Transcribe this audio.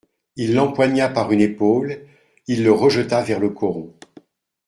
Il l'empoigna par une épaule, il le rejeta vers le coron.